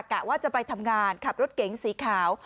กะว่าจะไปทำงานขับรถเก๋งสีขาว